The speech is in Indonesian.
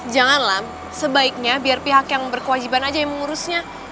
janganlah sebaiknya biar pihak yang berkewajiban aja yang mengurusnya